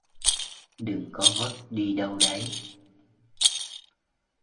đừng có vất đi đâu đấy